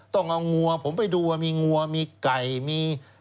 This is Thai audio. ต้องเอางัวผมไปดูว่ามีงัวมีไก่มี